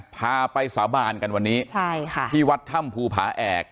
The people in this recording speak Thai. พาไปสาบานกันวันนี้ใช่ค่ะที่วัดถ้ำภูผาแอก